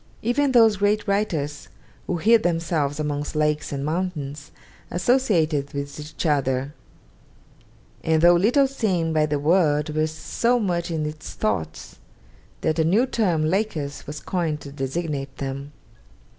Even those great writers who hid themselves amongst lakes and mountains associated with each other; and though little seen by the world were so much in its thoughts that a new term, 'Lakers,' was coined to designate them.